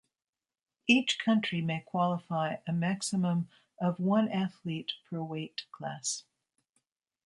Each country may qualify a maximum of one athlete per weight class.